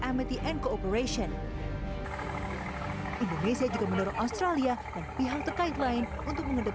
amity and cooperation indonesia juga menurut australia dan pihak terkait lain untuk mengetahui